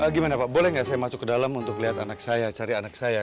bagaimana pak boleh nggak saya masuk ke dalam untuk lihat anak saya cari anak saya